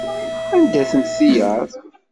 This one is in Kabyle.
Anda-tent tiyaḍ?